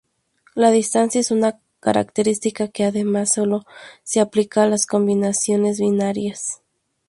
La distancia es una característica que, además, sólo se aplica a las combinaciones binarias.